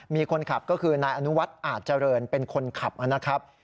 มีคนขับก็คือนายอนุวัฒน์อาจเจริญเป็นคนขับนะครับ